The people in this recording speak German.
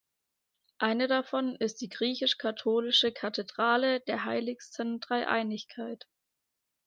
Eine davon ist die Griechisch-Katholische Kathedrale der Heiligsten Dreieinigkeit.